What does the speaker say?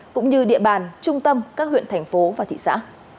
cũng như địa bàn trung tâm các huyện thành phố và thị xã